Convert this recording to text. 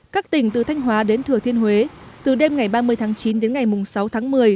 các tỉnh từ thanh hóa đến thừa thiên huế từ đêm ngày ba mươi tháng chín đến ngày sáu tháng một mươi